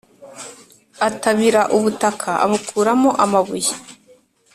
Atabira ubutaka, abukuramo amabuye,